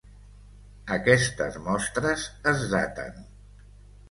Aquestes mostres es daten.